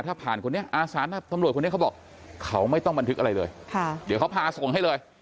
ถ้าผ่านคนนี้อาสาตำรวจคนนี้เขาบอกเขาไม่ต้องบันทึกอะไรเลยเดี๋ยวเขาพาส่งให้เลย